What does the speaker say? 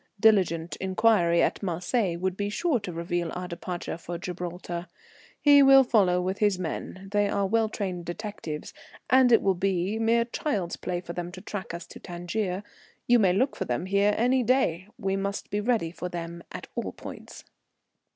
Diligent inquiry at Marseilles would be sure to reveal our departure for Gibraltar. He will follow with his men, they are well trained detectives, and it will be mere child's play for them to track us to Tangier. You may look for them here any day. We must be ready for them at all points."